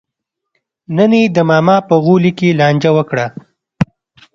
نن یې د ماما په غولي کې لانجه وکړه.